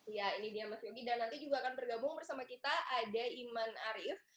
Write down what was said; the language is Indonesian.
ya ini dia mas yogi dan nanti juga akan bergabung bersama kita ada iman arief